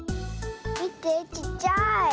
みてちっちゃい。